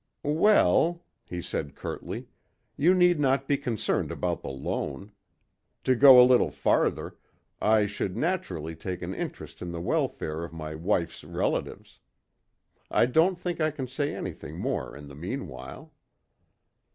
"Well," he said curtly, "you need not be concerned about the loan. To go a little farther, I should naturally take an interest in the welfare of my wife's relatives. I don't think I can say anything more in the meanwhile."